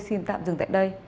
xin tạm dừng tại đây